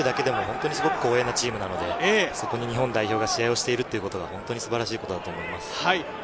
本当に対戦できるだけでも本当にすごく光栄なチームなので、そこに日本代表が試合しているということは本当に素晴らしいことだと思います。